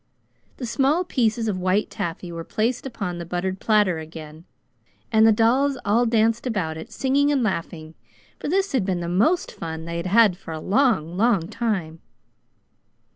The small pieces of white taffy were placed upon the buttered platter again and the dolls all danced about it, singing and laughing, for this had been the most fun they had had for a long, long time.